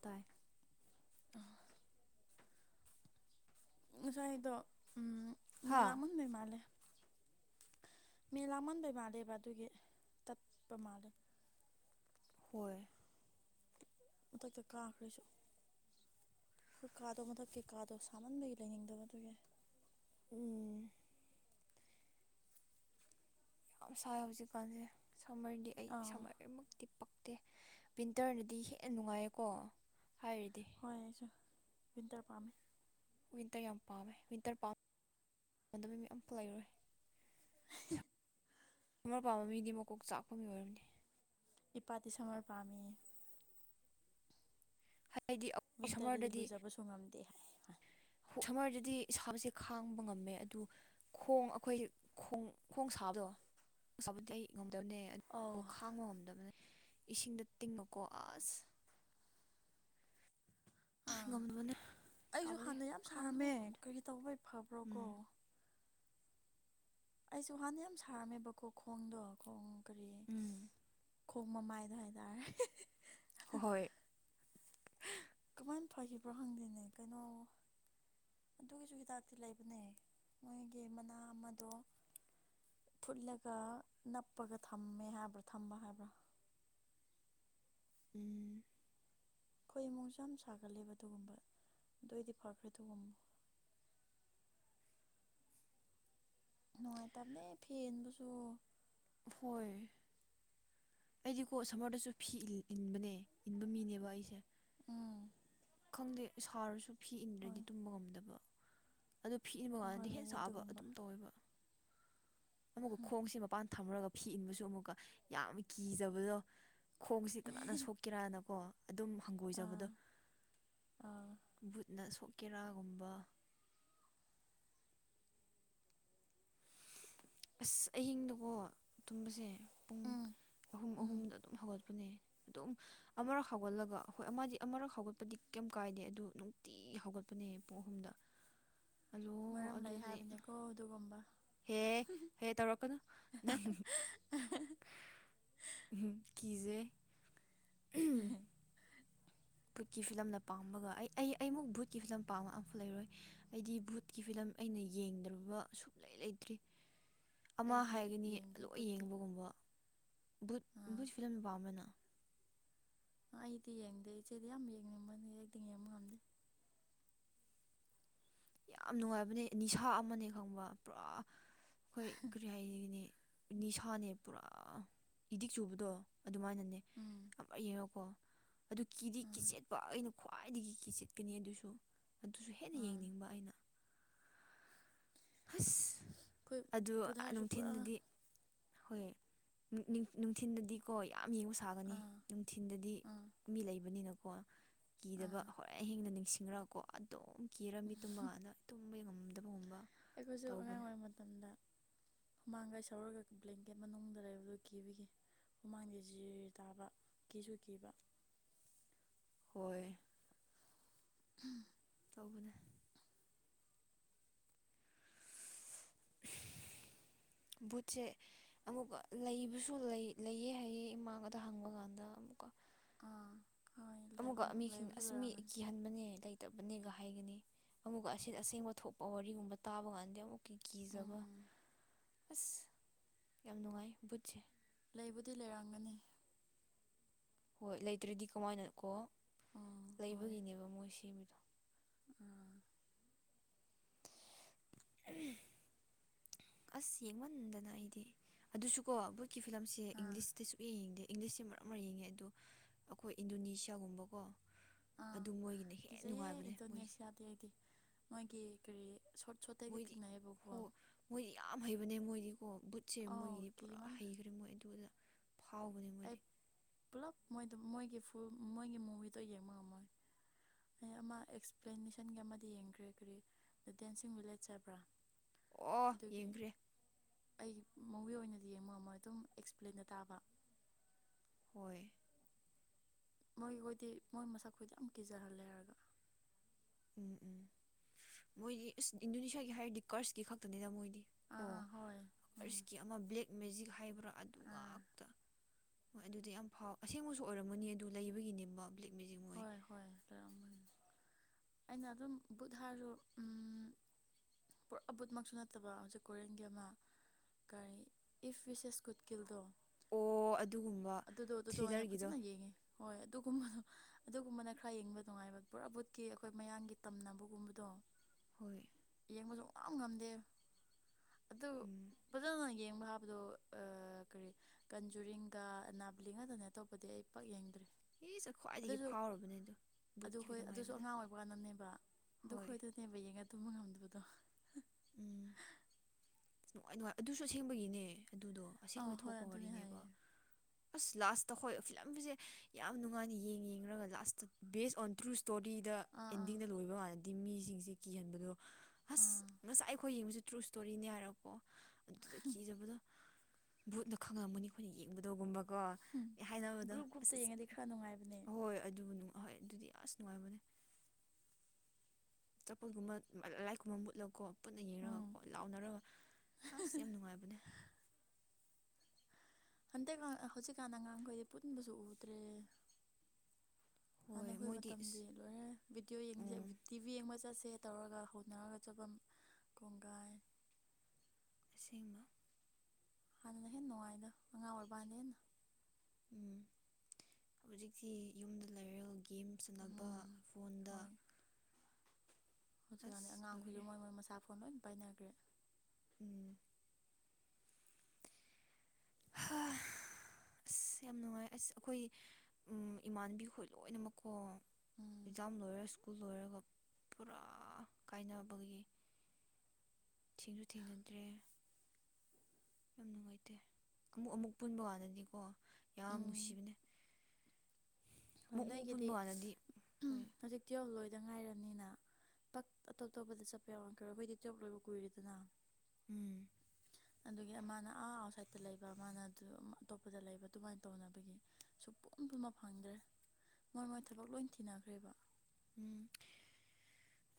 ꯇꯥꯏ ꯑ ꯉꯁꯥꯏꯗꯣ ꯍꯥ ꯃꯤꯂꯃꯗ ꯃꯥꯂꯦ ꯃꯤ ꯂꯥꯃꯟꯕꯩ ꯃꯥꯜꯂꯦꯕ ꯑꯗꯨꯒꯤ ꯇꯠꯄ ꯃꯥꯜꯂꯦ ꯍꯣꯏ ꯃꯊꯛꯇ ꯀꯥꯈ꯭ꯔꯦꯁꯨ ꯑꯩꯈꯣꯏ ꯀꯥꯗꯣ ꯃꯊꯛꯀꯤ ꯀꯥꯗꯣ ꯁꯥꯃꯟꯕꯒꯤ ꯂꯩꯅꯤꯡꯗꯕꯗꯨ ꯌꯥꯏ ꯎꯝ ꯌꯥꯝ ꯁꯥꯏ ꯍꯧꯖꯤꯛꯀꯥꯟꯁꯦ ꯁꯝꯃꯔꯗꯤ ꯑꯩ ꯑꯥ ꯁꯝꯃꯔꯃꯛꯇꯤ ꯄꯛꯇꯦ ꯋꯤꯟꯇꯔꯅꯗꯤ ꯍꯦꯟꯅ ꯅꯨꯡꯉꯥꯏꯌꯦꯀꯣ ꯍꯥꯏꯔꯤꯗꯤ ꯍꯣꯏ ꯑꯩꯁꯨ ꯤꯟꯇꯔ ꯄꯥꯝꯃꯦ ꯋꯤꯟꯇꯔ ꯌꯥꯝ ꯄꯥꯝꯃꯦ ꯋꯤꯟꯇꯔ ꯄꯥꯝꯗꯕ ꯃꯤ ꯑꯐ ꯂꯩꯔꯣꯏ [unintelligible] ꯑꯃ ꯄꯥꯝꯕ ꯃꯤꯗꯤ ꯃꯀꯣꯛ ꯆꯥꯛꯄ ꯃꯤ ꯑꯣꯏꯔꯝꯅꯤ ꯏꯄꯥꯇ ꯁꯃꯔ ꯄꯝ ꯍꯥꯏꯗꯤ ꯋꯤꯟꯇꯔꯗꯗꯤ ꯁꯝꯃꯔꯗꯗꯤ ꯂꯨꯖꯕꯁꯨ ꯉꯝꯗꯦ ꯍꯥꯏ ꯁꯝꯃꯔꯗꯗꯤ ꯏꯁꯥꯁꯦ ꯈꯥꯡꯕ ꯉꯝꯃꯦ ꯑꯗꯨ ꯈꯣꯡ ꯑꯩꯈꯣꯏꯣꯡ ꯈꯣꯡ ꯁꯥꯕꯗꯣ ꯑꯁꯄꯗꯤ ꯑꯩ ꯉꯝꯗꯕꯅꯦ ꯑꯗꯨ ꯑꯧ ꯈꯥꯡꯕ ꯉꯝꯗꯕꯅꯦ ꯏꯁꯤꯡꯗ ꯇꯤꯡꯉꯨꯀꯣ ꯑꯁ ꯑꯥ ꯉꯝꯗꯕꯅꯦ ꯑꯩꯁꯨ ꯁꯥꯕꯁꯦ ꯍꯥꯟꯅ ꯌꯥꯝ ꯈꯥꯡꯕ ꯁꯥꯔꯝꯃꯦ ꯉꯝꯗꯦ ꯀꯔꯤꯒꯤ ꯇꯧꯕꯩ ꯐꯕ꯭ꯔꯣꯀꯣ ꯎꯝ ꯑꯩꯁꯨ ꯍꯥꯟꯅ ꯌꯥꯝ ꯁꯥꯔꯝꯃꯦꯕꯀꯣ ꯈꯣꯡꯗꯣ ꯈꯣꯡ ꯀꯔꯤ ꯎꯝ ꯈꯣꯡ ꯃꯃꯥꯏꯗ ꯍꯥꯏꯇꯥꯔꯦ ꯍꯣꯏ ꯀꯃꯥꯏꯅ ꯐꯈꯤꯕꯣ ꯍꯪꯗꯦꯅꯦ ꯀꯩꯅꯣ ꯑꯗꯨꯒꯤꯁꯨ ꯍꯤꯗꯥꯛꯇꯤ ꯂꯩꯕꯅꯦ ꯃꯣꯏꯒꯤ ꯃꯅꯥ ꯑꯃꯗꯣ ꯐꯨꯠꯂꯒ ꯅꯞꯄꯒ ꯊꯝꯃꯦ ꯍꯥꯏꯕ꯭ꯔꯥ ꯊꯝꯕ ꯍꯥꯏꯕ꯭ꯔꯥ ꯎꯝ ꯑꯩꯈꯣꯏ ꯏꯃꯨꯡꯁꯨ ꯌꯥꯝ ꯁꯥꯒꯠꯂꯦꯕ ꯑꯗꯨꯒꯨꯝꯕ ꯑꯗꯨꯑꯩꯗꯤ ꯐꯈ꯭ꯔꯦ ꯑꯗꯨꯒꯨꯝ ꯅꯨꯡꯉꯥꯏꯇꯝꯅꯦ ꯐꯦꯟꯕꯨꯁꯨ ꯍꯣꯏ ꯑꯩꯗꯤꯀꯣ ꯁꯝꯃꯔꯗꯁꯨ ꯐꯤ ꯏꯟꯕꯅꯦ ꯏꯟꯕ ꯃꯤꯅꯦꯕ ꯑꯩꯁꯦ ꯑꯝ ꯈꯪꯗꯦ ꯁꯥꯔꯁꯨ ꯐꯤ ꯍꯣꯏ ꯏꯟꯗ꯭ꯔꯗꯤ ꯇꯨꯝꯕ ꯉꯝꯗꯕ ꯑꯗꯨ ꯐꯤ ꯏꯕ ꯍꯣꯏ ꯍꯣꯏ ꯀꯥꯟꯗꯗꯤ ꯍꯦꯟ ꯂꯩꯌꯦ ꯁꯥꯕ ꯑꯗꯨꯒꯨꯝꯕ ꯑꯗꯨꯝ ꯇꯧꯋꯦꯕ ꯑꯃꯨꯛꯀ ꯈꯣꯡꯁꯦ ꯃꯄꯥꯟ ꯊꯝꯃꯒ ꯐꯤ ꯏꯟꯕꯁꯨ ꯑꯃꯨꯛꯀ ꯌꯥꯝ ꯀꯤꯖꯕꯗꯣ ꯈꯣꯡꯁꯤ ꯀꯅꯥꯅ ꯁꯣꯛꯀꯦꯔꯅꯀꯣ ꯑꯗꯨꯝ ꯑꯥ ꯍꯪꯒꯣꯏꯖꯕꯗꯣ ꯑꯥ ꯕꯨꯠꯅ ꯁꯣꯛꯀꯦꯔꯥꯒꯨꯝꯕ ꯑꯁ ꯑꯍꯤꯡꯗꯀꯣ ꯇꯨꯝꯕꯁꯦ ꯄꯨꯡ ꯎꯝ ꯑꯍꯨꯝ ꯎꯝ ꯑꯍꯨꯝꯗ ꯑꯗꯨꯝ ꯍꯧꯒꯠ ꯅꯦ ꯑꯗꯨꯝ ꯑꯃꯔꯛ ꯍꯧꯎꯒꯠꯂꯒ ꯑꯈꯣꯏ ꯑꯃꯗꯤ ꯑꯃꯨꯔꯛ ꯍꯧꯎꯒꯠꯄꯗꯤ ꯀꯩꯝ ꯀꯥꯏꯗꯦ ꯑꯗꯨ ꯅꯨꯡꯇꯤ ꯍꯧꯒꯠꯄꯅꯦ ꯄꯨꯡ ꯑꯍꯨꯝꯗ ꯑꯂꯣ ꯃꯔꯝ ꯂꯩ ꯍꯥꯏꯕꯅꯤꯀꯣ ꯑꯗꯨꯒꯨꯝꯕ ꯑꯦ ꯍꯦ ꯇꯧꯔꯛꯀꯅꯨ ꯅꯪ [unintelligible] [unintelligible] ꯀꯖꯩ [unintelligible] ꯕꯨꯠꯀꯤ ꯐꯤꯂꯝꯅ ꯄꯥꯝꯕꯒ ꯑꯩ ꯑꯩ ꯑꯩꯃꯨꯛ ꯕꯨꯠꯀꯤ ꯐꯤꯂꯝ ꯄꯥꯝꯕ ꯑꯃꯝꯐ ꯂꯩꯔꯣꯏ ꯑꯩꯗꯤ ꯕꯨꯠꯀꯤ ꯐꯤꯂꯝ ꯑꯩꯅ ꯌꯦꯡꯗ꯭ꯔꯕ ꯁꯨꯨꯝꯂꯩ ꯂꯩꯇ꯭ꯔꯤ ꯑꯃ ꯑꯩꯗꯤ ꯍꯥꯏꯒꯅꯤ ꯌꯦꯡꯗꯦ ꯂꯣꯏ ꯕꯨꯠꯇꯤ ꯌꯦꯡꯕꯒꯨꯝꯕ ꯕꯨꯠ ꯑꯥ ꯕꯨꯠ ꯐꯤꯂꯝ ꯃꯄꯥꯝꯕꯅ ꯑ ꯑꯩꯗꯤ ꯌꯦꯡꯗꯦ ꯏꯆꯦꯗꯤ ꯌꯥꯝ ꯌꯦꯡꯉꯝ ꯃꯅꯤ [unintelligible] ꯌꯥꯝ ꯅꯨꯡꯉꯥꯏꯕꯅꯦ ꯅꯤꯁꯥ ꯑꯃꯅꯦ ꯈꯪꯕ ꯄꯨꯔꯥ ꯑꯩꯈꯣꯏ ꯀꯔꯤ [unintelligible] ꯅꯤꯁꯥꯅꯦ ꯄꯨꯔꯥ ꯏꯗꯤꯛ ꯆꯨꯕꯗꯣ ꯑꯗꯨꯃꯥꯏꯅꯅꯦ ꯎꯝ ꯑꯃ ꯌꯦꯡꯉꯣꯀꯣ ꯑꯗꯨ ꯀꯤꯗꯤ ꯑꯥ ꯀꯤꯆꯦꯠꯄ ꯑꯩꯅ ꯈ꯭ꯋꯥꯏꯗꯒꯤ ꯀꯤ ꯆꯤꯠꯀꯅꯤ ꯑꯗꯨꯁꯨ ꯑꯗꯨꯁꯨ ꯍꯦꯟꯅ ꯑꯥ ꯌꯦꯡꯅꯤꯡꯕ ꯑꯩꯅ ꯍꯥꯁ ꯑꯩꯈꯣꯏ ꯑꯗꯨ ꯕꯨꯙꯥꯁꯨ ꯄꯨꯔꯥ ꯅꯨꯡꯊꯤꯟꯗꯗꯤ ꯍꯣꯏ [unintelligible] ꯅꯨꯡꯊꯤꯟꯗꯗꯤ ꯀꯣ ꯌꯥꯝ ꯌꯦꯡꯉꯨ ꯁꯥꯒꯅꯤ ꯑꯥ ꯅꯨꯡꯊꯤꯟꯗꯗꯤ ꯑꯥ ꯃꯤ ꯂꯩꯕꯅꯤꯅꯀꯣ ꯀꯤꯗꯕ ꯑꯥ ꯍꯣꯔꯦꯟ ꯑꯍꯤꯡꯗ ꯅꯤꯡꯁꯤꯡꯔꯥꯀꯣ ꯑꯗꯨꯝ ꯀꯤꯔꯃꯤ ꯇꯨꯝꯃꯗ ꯇꯨꯝꯕ ꯉꯝꯗꯕꯒꯨꯝꯕ ꯑꯩꯈꯣꯏꯁꯨ ꯑꯉꯥꯡ ꯇꯧꯕꯅꯦ ꯑꯣꯏꯔꯤ ꯃꯇꯝꯗ ꯃꯥꯡꯒꯥꯏ ꯁꯧꯔꯒ ꯕ꯭ꯂꯦꯡꯀꯦꯠ ꯃꯅꯨꯡꯗ ꯂꯩꯕꯗꯨ ꯀꯤꯕꯤꯒꯤ ꯍꯨꯃꯥꯡꯗ ꯖꯤꯔ ꯇꯥꯕ ꯀꯤꯁꯨ ꯀꯤꯕ ꯍꯣꯏ [inaudible] ꯇꯧꯕꯅꯦ ꯚꯨꯠ ꯁꯦ ꯑꯃꯨꯛꯀ ꯂꯩꯕꯁꯨ ꯂꯩ ꯂꯩꯌꯦ ꯍꯥꯏꯌꯦ ꯏꯃꯥꯡꯒꯗ ꯍꯪꯕ ꯀꯥꯟꯗ ꯑꯃꯨꯛꯀ ꯑꯥ ꯍꯣꯏ ꯑꯃꯨꯒ ꯂꯩꯐꯝ ꯃꯤꯁꯤꯡ ꯂꯩꯕꯁꯨ ꯑꯁꯤ ꯃꯤ ꯂꯩꯔꯝꯒꯅꯤ ꯀꯤꯍꯟ ꯅꯦ ꯂꯩꯇꯕꯅꯦꯒ ꯍꯥꯏꯒꯅꯤ ꯑꯃꯨꯛ [unintelligible] ꯊꯣꯛꯄ ꯋꯥꯔꯤꯒꯨꯝꯕ ꯇꯥꯕ ꯀꯥꯟꯗ ꯑꯃꯨꯛ ꯀꯤ ꯎꯝ ꯀꯤꯖꯕ ꯎꯝ ꯑꯁ ꯌꯥꯝ ꯅꯨꯡꯉꯥꯏ ꯕꯨꯠꯁꯦ ꯂꯩꯕꯨꯗꯤ ꯂꯩꯔꯝꯒꯅꯤ ꯍꯣꯏ ꯂꯩꯇ꯭ꯔꯗꯤ ꯀꯃꯥꯏꯅꯀꯣ ꯎꯝ ꯍꯣꯏ ꯂꯩꯕꯒꯤꯅꯦꯕ ꯃꯣꯏ ꯁꯤ ꯑꯥ ꯑꯁ ꯌꯦꯡꯃꯟꯗꯅ ꯑꯩꯗꯤ ꯑꯗꯨꯁꯨꯀꯣ ꯚꯨꯠ ꯀꯤ ꯐꯤꯂꯝꯁꯦ ꯑꯥ ꯏꯪꯂꯤꯁꯇꯤ ꯁꯨꯛꯌ‌ꯦ ꯌꯦꯡꯗꯦ ꯏꯪꯂꯤꯁ ꯁ‌ꯦ ꯃꯔꯛ ꯃꯔ ꯌꯦꯡꯉꯦ ꯑꯗꯣ ꯑꯩꯈꯣꯏ ꯏꯟꯗꯣꯅꯦꯁꯤꯌꯥꯒꯨꯝꯕꯀꯣ ꯑꯥ ꯑꯗꯨ ꯃꯣꯏꯒꯤꯅ ꯍꯦꯟ ꯀꯤꯖꯩꯌꯦ ꯅꯨꯡꯉꯥꯏꯕꯅꯦ ꯃꯣꯏ [unintelligible] ꯃꯣꯏꯒꯤ ꯀꯔꯤ ꯁꯣꯔ꯭ꯠ ꯁꯣꯔ꯭ꯠ ꯃꯣꯏꯗꯤ ꯍꯣ ꯃꯣꯏꯗꯤ ꯌꯥꯝ ꯍꯩꯕꯅꯦ ꯃꯣꯏꯗꯤꯀꯣ ꯕꯨꯠꯁꯦ ꯑꯧ ꯃꯣꯏꯒꯤꯗꯤ ꯄꯨꯔꯥ ꯀꯤꯃꯟꯅ ꯍꯩꯈ ꯃꯣꯏ ꯑꯗꯨꯗ ꯐꯥꯎꯕꯅꯦ ꯑꯩ ꯃꯣꯏꯗꯤ ꯄꯨꯂꯞ ꯃꯣꯏꯗ‌ꯣ ꯃꯣꯏꯒꯤ ꯐꯨꯜ ꯃꯣꯏꯒꯤ ꯃꯨꯚꯤꯗꯣ ꯌꯦꯡꯕ ꯉꯝꯃꯣꯏ ꯑꯩ ꯑꯃ ꯑꯦꯛꯁꯄ꯭ꯂꯦꯅꯦꯁꯟꯒꯤ ꯑꯃꯗꯤ ꯌꯦꯡꯈ꯭ꯔꯦ ꯀꯔꯤ ꯗꯥ ꯗꯦꯟꯁꯤꯡ ꯚꯤꯂꯦꯖ ꯆꯠꯕ꯭ꯔꯥ ꯑꯣ ꯑꯗꯨꯒꯤ ꯌꯦꯡꯈ꯭ꯔꯦ ꯑꯩ ꯃꯨꯚꯤ ꯑꯣꯏꯅꯗꯤ ꯌꯦꯡꯕ ꯉꯝꯃ‌ꯣꯏ ꯑꯗꯨꯝ ꯑꯦꯛꯁꯄ꯭ꯂꯦꯟꯗ ꯇꯥꯕ ꯍꯣꯏ ꯃꯣꯏꯈꯣꯏꯗꯤ ꯃꯣꯏ ꯃꯁꯛ ꯈꯣꯏꯗꯤ ꯌꯥꯝ ꯀꯤꯖꯍꯜꯂꯦ ꯍꯥꯏꯔꯒ ꯎꯝ ꯎꯝ [inaudible] ꯃꯣꯏꯗꯤ ꯏꯁ ꯏꯟꯗꯣꯅꯦꯁꯤꯌꯥꯒꯤ ꯍꯥꯏꯔꯗꯤ ꯀꯔꯁꯀꯤ ꯈꯛꯇꯅꯤꯗ ꯃꯣꯏꯗꯤ ꯑꯥ ꯀꯣ꯫ ꯑꯥ ꯍꯣꯏ ꯎꯝ ꯀꯔꯁꯀꯤ ꯑꯃ ꯕ꯭ꯂꯦꯛ ꯃꯦꯖꯤꯛ ꯍꯥꯏꯕ꯭ꯔꯥ ꯑꯗꯨ ꯑꯥ ꯉꯥꯛꯇ꯫ ꯍꯣꯏ ꯑꯗꯨꯗꯤ ꯌꯥꯝ ꯐꯥꯎ ꯑꯁꯦꯡꯕꯁꯨ ꯑꯣꯏꯔꯝꯒꯅꯤ ꯑꯗꯨ ꯂꯩꯕꯒꯤꯅꯦꯕ ꯕ꯭ꯂꯦꯛ ꯃꯦꯖꯤꯛ꯫ ꯃꯣꯏ ꯍꯣꯏ ꯍꯣꯏ [unintelligible] ꯑꯩꯅ ꯑꯗꯨꯝ ꯕꯨꯠ ꯍꯥꯏꯔꯖꯨ ꯎꯝ ꯄꯨꯔꯥ ꯚꯨꯠ ꯃꯛꯁꯨ ꯅꯠꯇꯕ ꯍꯧꯖꯤꯛ ꯀꯣꯔꯤꯌꯟꯒꯤ ꯑꯃ꯫ ꯀꯔꯤ ꯏꯐ ꯋꯤꯁꯦꯁ ꯀꯨꯠꯀꯤꯜꯗꯣ꯫ ꯑꯣ ꯑꯗꯨꯒꯨꯝꯕ ꯑꯗꯨꯗꯣ ꯑꯗꯨꯗꯣ ꯑꯣꯏꯅ ꯊ꯭ꯔꯤꯂꯔꯒꯤꯗꯣ ꯐꯖꯅ ꯌꯦꯡꯉꯦ ꯍꯣꯏ ꯑꯗꯨꯒꯨꯝꯕꯗꯣ꯫ ꯑꯗꯨꯒꯨꯝꯕꯅ ꯈꯔ ꯌꯦꯡꯕ ꯅꯨꯡꯉꯥꯏꯕ ꯄꯨꯔꯥ ꯕꯨꯠꯀꯤ ꯑꯩꯈꯣꯏ ꯃꯌꯥꯡꯒꯤ ꯇꯝꯅꯕꯒꯨꯝꯕꯗꯣ꯫ ꯍꯣꯏ꯫ ꯌꯦꯡꯕ ꯁꯨꯉꯝ ꯉꯝꯗꯦ ꯑꯗꯨ ꯎꯝ ꯐꯖꯅ ꯌꯦꯡꯕ ꯍꯥꯞ ꯑꯗꯣ ꯑ ꯀꯔꯤ ꯀꯟꯖꯨꯔꯤꯡꯒ ꯑꯅꯥꯕꯂꯤ ꯈꯛꯇꯅꯦ ꯑꯇꯣꯞꯄꯗꯤ ꯑꯩ ꯄꯥꯛ ꯌꯦꯡꯗ꯭ꯔꯤ꯫ ꯏꯁ ꯈ꯭ꯋꯥꯏꯗꯒꯤ ꯐꯥꯎꯔꯕꯅꯦ ꯑꯗꯨ꯫ ꯑꯗꯨ ꯍꯣꯏ ꯑꯗꯨꯁꯨ ꯑꯉꯥꯡ ꯑꯣꯏꯕ ꯀꯥꯟꯗꯅꯦꯕ ꯑꯗꯨ ꯍꯣꯏ ꯈꯣꯏꯗꯨꯅꯦꯕ ꯌꯦꯡꯉ ꯇꯨꯝꯕ ꯉꯝꯗꯕꯗꯣ ꯎꯝ ꯅꯨꯡꯉꯥꯏ ꯅꯨꯡꯉꯥꯏ ꯑꯗꯨꯁꯨ ꯑꯁꯦꯡꯕꯒꯤꯅꯦ ꯑꯗꯨꯗꯣ ꯑꯁꯦꯡꯕ ꯑꯥ ꯍꯣꯏ ꯊꯣꯛꯄ ꯑꯗꯨꯅꯦ ꯋꯥꯔꯤꯅꯦꯕ ꯍꯥꯏꯌꯦ ꯑꯁ ꯂꯥꯁꯇ ꯍꯣꯏ ꯐꯤꯂꯝꯁꯦ ꯌꯥꯝ ꯅꯨꯡꯉꯥꯏꯅ ꯌꯦꯡ ꯌꯦꯡꯔꯒ ꯂꯥꯁꯇ ꯕꯦꯖ ꯑꯣꯟ ꯇ꯭ꯔꯨ ꯁ ꯇꯣꯔꯤꯗ ꯑꯥ ꯑꯥ ꯑꯦꯟꯗꯤꯡꯗ ꯂꯣꯏꯕ ꯀꯥꯟꯗꯗꯤ ꯃꯤꯁꯤꯡꯁ‌ꯩ ꯀꯤꯍꯟꯕꯗꯣ ꯍꯁ ꯑꯥ ꯉꯁꯥꯏ ꯈꯣꯏ ꯌꯦꯡꯕꯁꯤ ꯇ꯭ꯔꯨ ꯏꯁꯇꯣꯔꯤꯅꯤ ꯍꯥꯏꯔꯄꯣ ꯑꯗꯨꯗ ꯀꯤꯖꯕꯗꯣ ꯕꯨꯠꯅ ꯈꯪꯉꯝꯒꯅꯤ ꯑꯩꯈꯣꯏꯅ ꯌꯦꯡꯕꯗ‌ꯣ ꯒꯨꯝꯕꯀꯣ ꯍꯥꯏꯅꯕꯗ‌ꯣ ꯒ꯭ꯔꯨꯞ ꯑꯁ ꯒ꯭ꯔꯨꯞꯇ ꯑꯁ ꯌꯦꯡꯉꯗꯤ ꯈꯔ ꯅꯨꯡꯉꯥꯏꯕꯅꯦ ꯑꯍꯣꯏ ꯑꯗꯨ ꯅꯨꯡ ꯑꯍꯣꯏ ꯑꯗꯨꯗꯤ ꯑꯁ ꯅꯨꯡꯉꯥꯏꯕꯅꯦ ꯆꯄꯜꯒꯨꯝꯕ ꯂ ꯂꯥꯏꯠꯀꯨꯝꯕ ꯃꯨꯠꯂꯀꯣ ꯄꯨꯟꯅ ꯎꯝ ꯌꯦꯡꯉꯒꯀꯣ ꯂꯥꯎꯅꯔ ꯑꯁ ꯌꯥꯝ ꯅꯨꯡꯉꯥꯏꯕꯅꯦ ꯍꯟꯗꯛ ꯑ ꯍꯧꯖꯤꯛꯀꯥꯟꯅ ꯉꯥꯡꯈꯩꯗꯤ ꯄꯨꯟꯕꯁꯨ ꯎꯗ꯭ꯔꯦ ꯍꯥꯟꯅ ꯍꯣꯏ ꯑꯩꯈꯣꯏ ꯃꯣꯏꯗꯤ ꯑꯁ ꯃꯇꯝꯗꯤ ꯂꯣꯏꯔ‌ꯦ ꯕꯤꯗꯤꯑꯣ ꯌꯦꯡꯁꯦ ꯎꯝ ꯚꯤꯠ ꯇꯤ ꯚꯤ ꯌꯦꯡꯕ ꯆꯠꯁꯦ ꯇꯧꯔꯒ ꯍꯧꯅꯔꯒ ꯆꯠꯄꯝ ꯀꯣꯡꯒꯥꯏ꯫ ꯑꯁꯦꯡꯕ꯫ ꯍꯥꯟꯅ ꯍꯦꯟꯅ ꯅꯨꯡꯉꯥꯏꯗ ꯑꯉꯥꯡ ꯑꯣꯏꯕꯀꯥꯟꯅ ꯍꯦꯟꯅ꯫ ꯎꯝ ꯍꯧꯖꯤꯛꯇꯤ ꯌꯨꯝꯗ ꯂꯩꯔꯒ ꯒꯦꯝ ꯁꯥꯟꯅꯕ ꯎꯝ ꯐꯣꯟꯗ꯫ ꯍꯣꯏ ꯍꯧꯖꯤꯛꯀꯥꯟꯗꯤ ꯑꯁ ꯑꯉꯥꯡꯈꯣꯏꯁꯨ ꯂꯣꯏꯔꯦ ꯃꯣꯏ ꯃꯣꯏ ꯃꯁꯥ ꯐꯣꯟ ꯂꯣꯏꯟ ꯄꯥꯏꯅꯈ꯭ꯔꯦ꯫ ꯎꯝ꯫ [inaudible] ꯑꯁ ꯌꯥꯝ ꯅꯨꯡꯉꯥꯏ ꯑꯁ ꯑꯩꯈꯣꯏ ꯎꯝ ꯏꯃꯥꯟꯅꯕꯤꯈꯣꯏ ꯂꯣꯏꯅꯃꯛꯀꯣ꯫ ꯎꯝ ꯑꯦꯛꯖꯥꯝ ꯂꯣꯏꯔ ꯁ꯭ꯀꯨꯜ ꯂꯣꯏꯔꯒ ꯄꯨꯔꯥ ꯀꯥꯏꯅꯕꯒꯤ ꯊꯦꯡꯁꯨ ꯊꯦꯡꯅꯗ꯭ꯔꯦ ꯌꯥꯝ ꯅꯨꯡꯉꯥꯏꯇꯦ ꯑꯃꯨꯛ ꯑꯃꯨꯛ ꯄꯨꯟꯕ ꯀꯥꯟꯗꯗꯤꯀꯣ ꯌꯥꯝ ꯎꯝ ꯅꯨꯡꯁꯤꯕꯅꯦ ꯍꯣꯏ ꯑꯃꯨꯛ ꯑꯃꯨꯛ ꯅꯣꯏꯒꯤꯗꯤ ꯄꯨꯟꯕ ꯀꯥꯟꯗꯗꯤ [unintelligible] ꯍꯣꯏ ꯍꯧꯖꯤꯛ ꯇꯨꯋꯦꯜꯕ ꯂꯣꯏꯗ ꯉꯥꯏꯔꯕꯅꯤꯅ ꯄꯥꯛ ꯑꯇꯣꯞꯇꯣꯞꯄꯗ ꯆꯠꯄ ꯌꯥꯎꯔꯝꯈꯤꯔꯣꯏ ꯑꯩꯈꯣꯏꯗꯤ ꯇꯨꯌꯦꯜꯕ ꯂꯣꯏꯕ ꯀꯨꯏꯔꯦꯗꯅ ꯎꯝ ꯑꯗꯨꯒꯤ ꯑꯃꯥꯅ ꯑꯥ ꯑꯥꯎꯠꯁꯥꯏꯠꯇ ꯂꯩꯕ ꯃꯥꯅ ꯑꯗꯨ ꯑꯇꯣꯞꯄꯗ ꯂꯩꯕ ꯑꯗꯨꯃꯥꯏꯅ ꯇꯧꯅꯕꯒꯤ ꯁꯨ ꯄꯨꯝ ꯄꯨꯟꯕ ꯐꯪꯗ꯭ꯔꯦ ꯃꯣꯏ ꯃꯣꯏ ꯊꯕꯛ ꯂꯣꯏ ꯊꯤꯅꯈ꯭ꯔꯦꯕ ꯎꯝ [inaudible]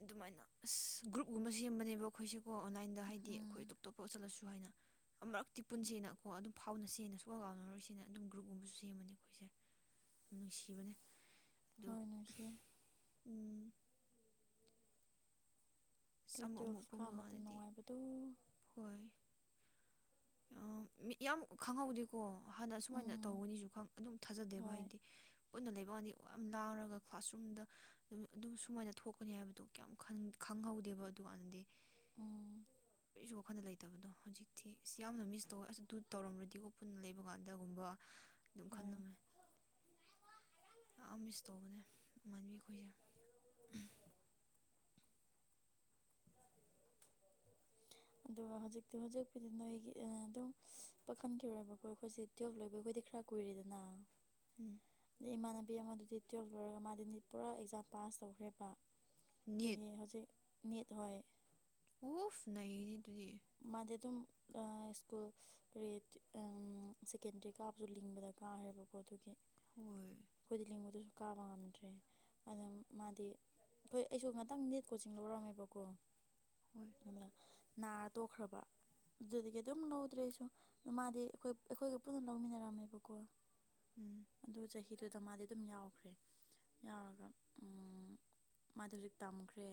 ꯑꯗꯨꯃꯥꯏꯅ ꯑꯁ ꯒ꯭ꯔꯨꯞꯒꯨꯝꯕ ꯁꯦꯝꯕꯅꯦꯕ ꯑꯩꯈꯣꯏꯁꯦꯀꯣ ꯑꯣꯟꯂꯥꯏꯟꯗ ꯍꯥꯏꯗꯤ ꯎꯝ ꯑꯩꯈꯣꯏ ꯑꯇꯣꯞꯇꯣꯞꯄ ꯆꯠꯂꯁꯨ ꯍꯥꯏꯅ ꯑꯃꯔꯛꯇꯤ ꯄꯨꯟꯁꯦꯅꯀꯣ ꯑꯗꯨꯝ ꯐꯥꯎꯅꯁꯦꯅ ꯁꯨꯛꯀꯥꯎ ꯀꯥꯎꯅꯔꯣꯏꯁꯦꯅ ꯑꯗꯨꯝ ꯒ꯭ꯔꯨꯞꯀꯨꯝꯕꯁꯨ ꯁꯦꯝꯕꯅꯦ ꯑꯩꯈꯣꯏꯁꯦ ꯅꯨꯡꯁꯤꯕꯅꯦ ꯍꯣꯏ ꯅꯨꯡꯁꯤꯌꯦ ꯎꯝ ꯑꯁ [unintelligible] ꯑꯃꯨꯛ ꯑꯃꯨꯛ ꯇꯨꯋꯦꯜꯐ ꯀꯥ ꯄꯨꯟꯕ ꯃꯇꯝ ꯀꯥꯟꯗꯗꯤ ꯅꯨꯡꯉꯥꯏꯕꯗꯨ ꯍꯣꯏ ꯑꯝ ꯃꯤ ꯌꯥꯝ ꯈꯪꯍꯧꯗꯦꯀꯣ ꯍꯥꯟꯅ ꯁꯨꯃꯥꯏꯅ ꯎꯝ ꯇꯧꯕꯒꯅꯤꯁꯨ ꯈꯪ ꯑꯗꯨꯝ ꯊꯥꯖꯗꯦꯕ ꯍꯣꯏ ꯍꯥꯏꯗꯤ ꯄꯨꯟꯅ ꯂꯩꯕꯥꯀꯥꯟꯗꯤ ꯑꯣ ꯌꯥꯝ ꯂꯥꯡꯔꯒ ꯀ꯭ꯂ꯭ꯥꯁꯔꯨꯝꯗ ꯑꯗꯨ ꯁꯨꯃꯥꯏꯅ ꯊꯣꯛꯀꯅꯤ ꯍꯥꯏꯕꯗꯨ ꯀꯌꯥꯝ ꯈꯪꯍꯧꯗꯦꯕ ꯑꯗꯨꯀꯥꯟꯅꯗꯤ ꯎꯝ ꯀꯔꯤꯁꯨ ꯋꯥꯈꯟꯗ ꯂꯩꯇꯕꯗꯣ ꯍꯧꯖꯤꯛꯇꯤ ꯑ ꯌꯥꯝꯅ ꯃꯤꯁ ꯇꯧꯋꯦ ꯑꯁ ꯑꯗꯨ ꯇꯧꯔꯝꯃꯗꯤꯀꯣ ꯄꯨꯟꯅ ꯂꯩꯕ ꯀꯥꯟꯗꯒꯨꯝꯕ ꯑꯗꯨꯝ ꯍꯣꯏ ꯈꯜꯂꯝꯃꯦ ꯌꯥꯝ ꯃꯤꯁ ꯇꯧꯕꯅꯦ ꯉꯟꯕꯤ ꯑꯩꯈꯣꯏꯁꯦ ꯑꯗꯨꯒ ꯍꯧꯖꯤꯛꯇꯤ ꯍꯧꯖꯤꯛꯄꯨꯗꯤ ꯅꯣꯏꯒꯤ ꯑꯗꯨꯝ ꯄꯥꯈꯟꯦꯕꯀꯣ ꯑꯩꯈꯣꯏꯁꯦ ꯇꯣ ꯂꯣꯏꯕ ꯑꯩꯈꯣꯏꯗꯤ ꯈꯔ ꯀꯨꯏꯔꯔꯤꯗꯅ ꯎꯝ ꯑꯗꯩ ꯏꯃꯥꯟꯅꯕꯤ ꯑꯃꯗꯨꯗꯤ ꯇꯨꯌꯦꯜꯞ ꯂꯣꯏꯔꯒ ꯃꯥꯗꯤ ꯄꯨꯔꯥ ꯑꯦꯛꯖꯥꯝ ꯄꯥꯁ ꯇꯧꯈ꯭ꯔꯦꯕ ꯅꯤꯠ ꯗꯒꯤ ꯍꯧꯖꯤꯛ ꯅꯤꯠ ꯍꯣꯏ ꯎꯐ ꯅꯩꯅꯦ ꯗꯨꯗꯤ ꯃꯥꯗꯤ ꯑꯗꯨꯝ ꯁ꯭ꯀꯨꯜ ꯀ꯭ꯔꯦꯇꯤ ꯑꯝ ꯁꯦꯀꯦꯟꯗꯔꯤ ꯀꯥꯕꯁꯨ ꯂꯤꯡꯕꯗ ꯀꯥꯔꯈ꯭ꯔꯦꯕꯀꯣ ꯑꯗꯨꯒꯤ ꯍꯣꯏ ꯈꯣꯏꯗꯤ ꯂꯤꯡꯕꯗꯁꯨ ꯀꯥꯕ ꯉꯝꯗ꯭ꯔꯦ ꯑꯗꯨ ꯃꯥꯗꯤ ꯑꯩꯈꯣꯏ ꯑꯩꯁꯨ ꯉꯥꯛꯇꯪ ꯅꯤꯠ ꯀꯣꯆꯤꯡ ꯂꯧꯔꯝꯃꯦꯕꯀꯣ ꯍꯣꯏ [unintelligible] ꯅꯥ ꯇꯣꯛꯈ꯭ꯔꯕ ꯑꯗꯨꯗꯒꯤ ꯑꯗꯨꯝ ꯂꯧꯗ꯭ꯔꯦꯁꯨ ꯃꯥꯗꯤ ꯑꯩꯈꯣꯏ ꯑꯩꯈꯣꯏꯒ ꯄꯨꯟꯅ ꯂꯧꯃꯤꯟꯅꯔꯝꯃꯦꯕꯀꯣ ꯎꯝ ꯑꯗꯨ ꯆꯍꯤꯗꯨꯗ ꯃꯥꯗꯤ ꯑꯗꯨꯝ ꯌꯥꯎꯈ꯭ꯔꯦ ꯌꯥꯎꯔꯒ ꯎꯝ ꯃꯥꯗꯣ ꯍꯧꯖꯤꯛ ꯇꯝꯈ꯭ꯔꯦ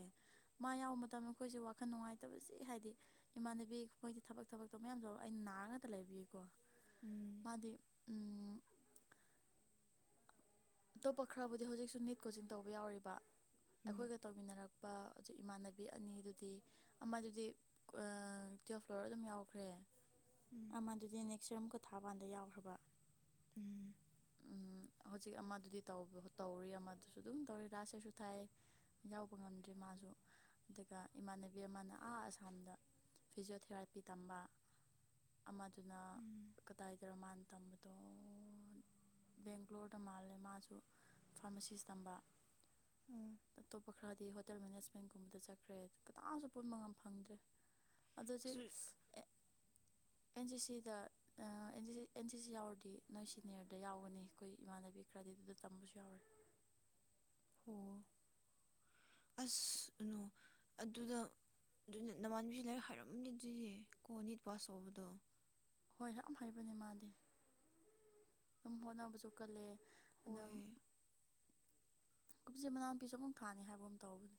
ꯃꯥ ꯌꯥꯎꯕ ꯃꯇꯝꯗ ꯑꯩꯈꯣꯏꯁꯦ ꯋꯥꯈꯜ ꯅꯨꯡꯉꯥꯏꯇꯕꯁꯤ ꯍꯥꯏꯗꯤ ꯏꯃꯥꯟꯅꯕꯤ ꯃꯣꯏꯗꯤ ꯊꯕꯛ ꯊꯕꯛꯇꯣ ꯃꯌꯥꯝꯗꯣ ꯑꯩꯅ ꯅꯥꯔ ꯉꯇ ꯂꯩꯕꯤꯌꯀꯣ ꯎꯝ ꯃꯥꯗꯤ ꯎꯝ ꯑꯇꯣꯞꯄ ꯈꯔꯕꯨꯗꯤ ꯍꯧꯖꯤꯛꯁꯨ ꯅꯤꯠ ꯀꯣꯆꯤꯡ ꯇꯧꯕ ꯌꯥꯎꯔꯤꯕ ꯎꯝ ꯑꯩꯈꯣꯏꯒ ꯇꯧꯃꯤꯟꯅꯔꯛꯄ ꯑꯗꯨ ꯏꯃꯥꯟꯅꯕꯤ ꯑꯅꯤꯗꯨꯗꯤ ꯑꯃꯗꯨꯗꯤ ꯇꯨꯋꯜꯞ ꯐ꯭ꯂꯣꯔ ꯑꯗꯨꯝ ꯌꯥꯎꯈ꯭ꯔꯦ ꯑꯃ ꯑꯗꯨꯗꯤ ꯅꯦꯛꯁ ꯌꯔꯨꯛ ꯀꯊꯥꯕꯥꯥꯟꯗ ꯌꯥꯎꯈ꯭ꯔꯕ ꯎꯝ ꯎꯝ ꯍꯧꯖꯤꯛ ꯑꯃꯗꯨꯗꯤ ꯇꯧꯕ ꯇꯧꯔꯤ ꯑꯃꯗꯨꯁꯨ ꯑꯗꯨꯝ ꯇꯧꯔꯤ ꯂꯥꯁ ꯍꯥꯏꯁꯨ ꯊꯥꯏ ꯌꯥꯎꯕ ꯉꯝꯗ꯭ꯦ ꯃꯥꯁꯨ ꯑꯗꯨꯒ ꯏꯃꯥꯟꯅꯕꯤ ꯑꯃꯅ ꯑꯥ ꯑꯁꯥꯝꯗ ꯐꯤꯖꯤꯣꯊꯦꯔꯥꯄꯤ ꯇꯝꯕ ꯑꯃꯗꯨꯅ ꯎꯝ ꯀꯗꯥꯏꯗ ꯃꯥꯥꯟꯅ ꯇꯝꯕꯗꯣ ꯕꯦꯡꯒ꯭ꯂꯣꯔꯗ ꯃꯥꯜꯂꯦ ꯃꯥꯁꯨ ꯐꯥꯔꯃꯥꯁꯤꯁ ꯇꯝꯕ ꯎꯝ ꯑꯣ ꯑꯇꯣꯞꯄ ꯈꯔꯗꯤ ꯍꯣꯇꯦꯜ ꯃꯦꯅꯦꯖ ꯒꯨꯝꯕꯗ ꯆꯠꯈ꯭ꯔꯦ ꯀꯅꯥꯁꯨ ꯄꯨꯟꯕ ꯉꯝ ꯐꯪꯗ꯭ꯔꯦ ꯑꯗꯣ ꯍꯧꯖꯤꯛ ꯑꯁ ꯑꯦꯟ ꯁꯤ ꯁꯤꯗ ꯑꯦꯟ ꯁꯤ ꯁꯤ ꯌꯥꯎꯔꯗꯤ ꯅꯣꯏ ꯁꯤꯅꯤꯌꯔꯗ ꯌꯥꯎꯒꯅꯤ ꯑꯩꯈꯣꯏ ꯏꯃꯥꯟꯅꯕꯤ ꯈꯔꯗꯤ ꯑꯗꯨꯗ ꯇꯝꯕꯁꯨ ꯌꯥꯎꯔꯦ ꯑꯣ ꯑꯁ ꯑꯅꯣ ꯑꯗꯨꯗ ꯑꯗꯨꯅ ꯅꯃꯥꯟꯕꯤꯁꯤ ꯂꯥꯏꯔꯤꯛ ꯍꯥꯏꯔꯝꯅꯤ ꯑꯗꯨꯗꯤ ꯀꯣ ꯅꯤꯠ ꯄꯥꯁ ꯇꯧꯕꯗꯣ ꯍꯣꯏ ꯌꯥꯝ ꯍꯩꯕꯅꯦ ꯃꯥꯗꯤ ꯑꯗꯨꯝ ꯍꯣꯠꯅꯕꯁꯨ ꯀꯜꯂꯦ ꯑꯗꯨꯝ ꯍꯣꯏ ꯀꯨꯝꯁꯤ ꯃꯅꯥꯎꯄꯤꯁꯨ ꯑꯃꯨꯛ ꯊꯥꯅꯤ ꯍꯥꯏꯕ ꯑꯃ ꯇꯧꯕꯅꯦ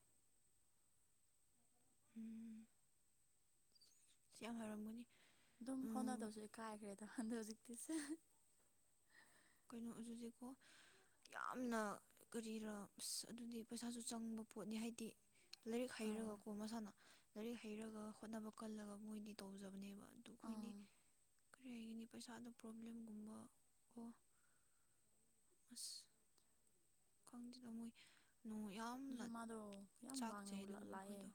ꯎꯝ ꯁꯤ ꯌꯥꯝ ꯍꯩꯔꯝꯒꯅꯤ ꯑꯗꯨꯝ ꯎꯝ ꯐꯥꯎꯅꯗꯕꯁꯨ ꯏꯀꯥꯏꯈ꯭ꯔꯦꯗ ꯍꯟꯗꯛ ꯍꯧꯖꯤꯛꯇꯤꯁꯦ ꯀꯩꯅꯣ ꯍꯧꯖꯤꯛ ꯍꯧꯖꯤꯛꯀꯣ ꯌꯥꯝꯅ ꯀꯔꯤꯔ ꯑꯁ ꯑꯗꯨꯗꯤ ꯄꯩꯁꯥꯁꯨ ꯆꯪꯕ ꯄꯣꯠꯅꯤ ꯍꯥꯏꯗꯤ ꯂꯥꯏꯔꯤꯛ ꯑꯥ ꯍꯩꯔꯒ ꯀꯣ ꯃꯁꯥꯅ ꯂꯥꯏꯔꯤꯛ ꯍꯩꯔꯒ ꯍꯣꯠꯅꯕ ꯀꯜꯂꯒ ꯃꯣꯏꯗꯤ ꯇꯧꯖꯕꯅꯦꯕ ꯑꯗꯨ ꯑꯩꯈꯣꯏꯗꯤ ꯑꯥ ꯀꯔꯤ ꯍꯥꯏꯅꯤ ꯄꯩꯁꯥꯗ ꯄ꯭ꯔꯣꯕ꯭ꯂꯦꯝꯒꯨꯝꯕ ꯀꯣ ꯑꯁ ꯈꯪꯗꯦꯗ ꯃꯣꯏ ꯅꯣꯡ ꯌꯥꯝꯅ ꯑꯗꯨꯁꯨ ꯃꯥꯗꯣ ꯌꯥꯝ ꯋꯥꯡꯅ ꯆꯥꯛꯆꯩ ꯑꯗꯨꯒꯨꯝꯕ ꯂꯥꯛꯑꯦ ꯃꯈꯣꯏꯗꯣ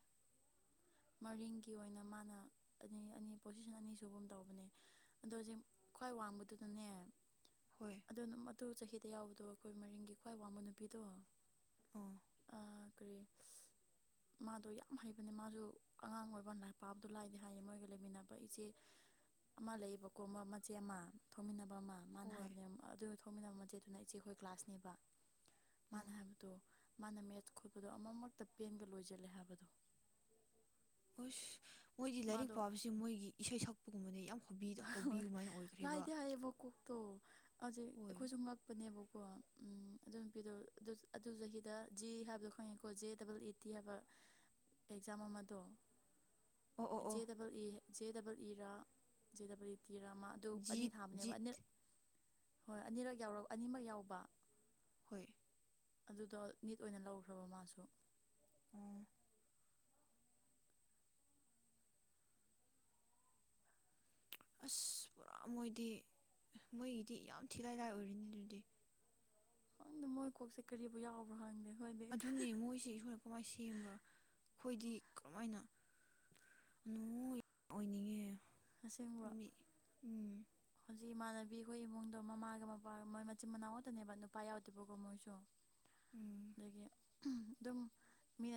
ꯃꯔꯤꯡꯒꯤ ꯑꯣꯏꯅ ꯃꯥꯅ ꯑꯅꯤ ꯑꯅꯤ ꯄꯣꯖꯤꯁꯟ ꯑꯅꯤ ꯁꯨꯒꯨꯝ ꯇꯧꯕꯅꯦ ꯑꯗꯣ ꯍꯧꯖꯤꯛ ꯈ꯭ꯋꯥꯏ ꯋꯥꯡꯕꯗꯨꯅꯅꯦ ꯍꯣꯏ ꯑꯗꯨꯅ ꯃꯗꯨ ꯆꯍꯤꯗ ꯌꯥꯎꯕꯗꯣ ꯑꯩꯈꯣꯏ ꯃꯔꯤꯡꯒꯤ ꯈ꯭ꯋꯥꯏ ꯋꯥꯡꯕ ꯅꯨꯄꯤꯗꯣ ꯑꯣ ꯑꯥ ꯀꯔꯤ ꯃꯥꯗꯣ ꯌꯥꯝ ꯍꯩꯕꯅꯦ ꯃꯥꯁꯨ ꯑꯉꯥꯡ ꯑꯣꯏꯕ ꯂ ꯄꯕꯗꯨ ꯂꯥꯏꯗꯤ ꯍꯥꯏꯌꯦ ꯃꯣꯏꯒ ꯂꯩꯃꯤꯟꯅꯕ ꯏꯆꯦ [inaudible] ꯑꯃ ꯂꯩꯕꯀꯣ ꯃꯆꯦ ꯑꯃ ꯊꯣꯡꯃꯤꯟꯅꯕ ꯑꯃ ꯃꯥꯅ ꯍꯣꯏ ꯍꯥꯏꯕꯅꯦ ꯑꯗꯨ ꯊꯣꯛꯃꯤꯟꯅꯕ ꯃꯆꯦꯗꯨꯅ ꯏꯆꯦꯈꯣꯏ ꯀ꯭ꯂꯥꯁꯅꯦꯕ ꯑꯥ ꯃꯥꯅ ꯍꯥꯏꯕꯗꯣ ꯃꯥꯅ ꯃꯦꯠꯁ ꯈꯣꯠꯄꯗꯣ ꯑꯃꯃꯛꯇ ꯄꯦꯟꯒ ꯂꯣꯏꯁꯤꯜꯂꯦ ꯍꯥꯏꯕꯗꯣ ꯍꯨꯁ ꯃꯣꯏꯗꯤ ꯂꯥꯏꯔꯤꯛ ꯃꯥꯗꯣ ꯄꯥꯕꯁꯤ ꯃꯣꯏꯒꯤ ꯏꯁꯩ ꯁꯛꯄꯒꯨꯝꯕꯅꯦ ꯌꯥꯝ ꯍꯣꯕꯤ ꯍꯣꯏ ꯑꯗꯨꯃꯥꯏꯅ ꯑꯣꯏꯈ꯭ꯔꯦꯕ ꯂꯥꯏꯗꯦ ꯍꯥꯏꯌꯦꯕ ꯀꯣꯛꯇꯣ ꯍꯧꯖꯤꯛ ꯍꯣꯏ ꯑꯩꯈꯣꯏꯁꯨ ꯉꯛ ꯉꯛꯄꯅꯦꯕꯀꯣ ꯎꯝ ꯑꯗꯨ ꯅꯨꯄꯤꯗꯣ ꯑꯗꯨ ꯆꯍꯤꯗ ꯖꯤ ꯍꯥꯏꯕꯗꯣ ꯈꯪꯉꯦꯀꯣ ꯖꯦ ꯗꯕꯜ ꯏ ꯇꯤ ꯍꯥꯏꯕ ꯑꯦꯛꯖꯥꯝ ꯑꯃꯗꯣ ꯑꯣ ꯑꯣ ꯖꯦ ꯑꯣ double E J double E ꯔꯥ ꯖꯦ ꯗꯕꯜ ꯇꯤꯔꯥ ꯑꯃ ꯑꯗꯨ ꯑꯅꯤ ꯖꯤꯠ ꯊꯥꯕꯅꯦꯕ ꯖꯤꯠ ꯑꯅꯤꯔ ꯍꯣꯏ ꯑꯅꯤꯔꯛ ꯌꯥꯎꯔꯛ ꯑꯅꯤꯃꯛ ꯌꯥꯎꯕ ꯍꯣꯏ ꯑꯗꯨꯗꯣ ꯅꯤꯠ ꯑꯣꯏꯅ ꯂꯧꯈ꯭ꯔꯕ ꯃꯥꯁꯨ ꯑꯣ ꯑꯁ ꯄꯨꯔꯥ ꯃꯣꯏꯗꯤ ꯃꯣꯏꯒꯤꯗꯤ ꯌꯥꯝ ꯊꯤꯂꯥꯏ ꯂꯥꯏ ꯑꯣꯏꯔꯤꯅꯤ ꯑꯗꯨꯗꯤ ꯈꯪꯗꯦ ꯃꯣꯏ ꯀꯣꯛꯁꯦ ꯀꯔꯤꯕꯨ ꯌꯥꯎꯕ꯭ꯔꯣ ꯈꯪꯗꯦ ꯑꯩꯈꯣꯏꯗꯤ ꯑꯗꯨꯅꯦ ꯃꯣꯏꯁꯦ ꯏꯁꯣꯔꯅ ꯀꯃꯥꯏꯅ ꯁꯦꯝꯕ꯭ꯔꯥ ꯑꯩꯈꯣꯏꯗꯤ ꯀꯃꯥꯏꯅ ꯅ ꯑꯣꯏꯅꯤꯡꯉꯦ ꯑꯁꯦꯡꯕ ꯎꯝ [inaudible] ꯍꯧꯖꯤꯛ ꯏꯃꯥꯟꯅꯕꯤ ꯑꯩꯈꯣꯏ ꯏꯃꯨꯡꯗꯣ ꯃꯃꯥꯒ ꯃꯄꯥꯒ ꯃꯣꯏ ꯃꯆꯤꯟ ꯃꯅꯥꯎ ꯉꯛꯇꯅꯦꯕ ꯅꯨꯄꯥ ꯌꯥꯎꯗꯦꯕꯀꯣ ꯃꯣꯏꯁꯨ ꯎꯝ ꯑꯗꯒꯤ ꯑꯗꯨꯝ ꯃꯤꯅꯁ